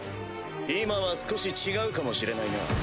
今は少し違うかもしれないな。